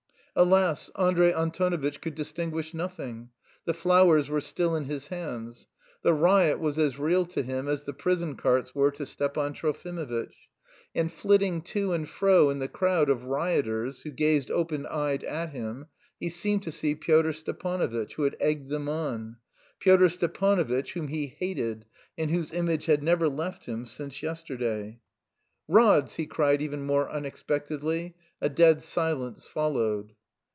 Alas! Andrey Antonovitch could distinguish nothing: the flowers were still in his hands. The riot was as real to him as the prison carts were to Stepan Trofimovitch. And flitting to and fro in the crowd of "rioters" who gazed open eyed at him, he seemed to see Pyotr Stepanovitch, who had egged them on Pyotr Stepanovitch, whom he hated and whose image had never left him since yesterday. "Rods!" he cried even more unexpectedly. A dead silence followed.